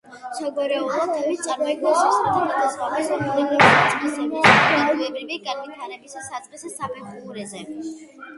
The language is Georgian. საგვარეულო თემი წარმოიქმნა სისხლით ნათესაობის ბუნებრივ საწყისებზე საზოგადოებრივი განვითარების საწყის საფეხურზე.